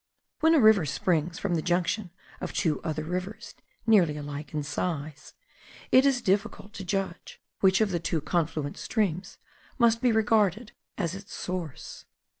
When a river springs from the junction of two other rivers, nearly alike in size, it is difficult to judge which of the two confluent streams must be regarded as its source.